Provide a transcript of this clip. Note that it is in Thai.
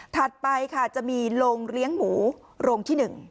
ไปค่ะจะมีโรงเลี้ยงหมูโรงที่๑